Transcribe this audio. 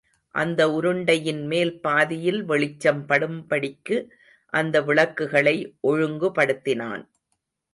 அந்த உருண்டையின் மேல்பாதியில் வெளிச்சம் படும்படிக்கு அந்த விளக்குகளை ஒழுங்குபடுத்தினான்.